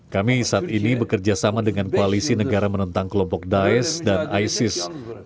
kami saat ini bekerjasama dengan koalisi negara menentang kelompok daesh dan isis